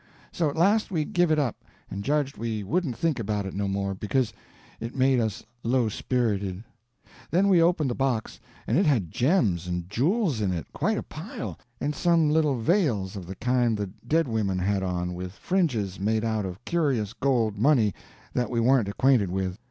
So at last we give it up, and judged we wouldn't think about it no more, because it made us low spirited. [Illustration: "We opened the box, and it had gems and jewels in it"] Then we opened the box, and it had gems and jewels in it, quite a pile, and some little veils of the kind the dead women had on, with fringes made out of curious gold money that we warn't acquainted with.